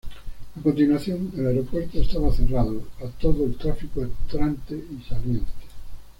A continuación, el aeropuerto estaba cerrado a todo el tráfico entrante y saliente.